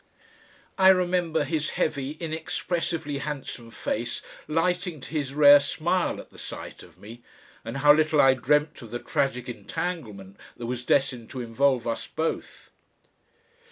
I remember his heavy, inexpressively handsome face lighting to his rare smile at the sight of me, and how little I dreamt of the tragic entanglement that was destined to involve us both.